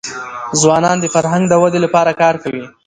ځوانان د فرهنګ د ودې لپاره کار کوي.